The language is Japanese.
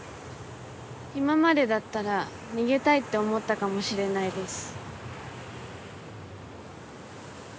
今までだったら逃げたいって思ったかもしれないです。